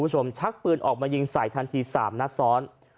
ชักปืนออกมายิงใส่ทันที๓นัดซ้อน